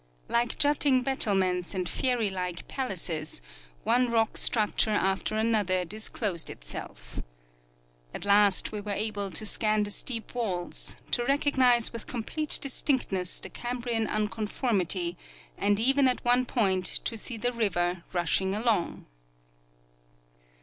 Like jutting battlements and fairy like palaces, one rock structure after another disclosed itself. At last Ave were able to scan the steep Avails, to recognize with complete distinctness the Cambrian unconformity, and even at one point to see the river rushing along.